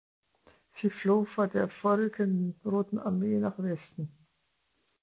Sie floh vor der vorrückenden Roten Armee nach Westen.